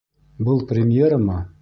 Был премьерамы?